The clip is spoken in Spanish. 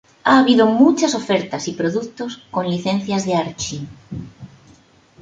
Ha habido muchas ofertas y productos con licencias de Archie.